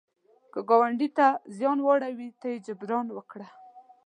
که ګاونډي ته زیان واړوي، ته یې جبران وکړه